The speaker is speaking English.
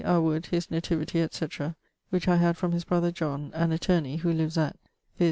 à Wood his nativity etc., which I had from his brother John, an attorney (who lives at ...), viz.